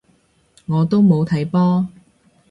我都冇睇波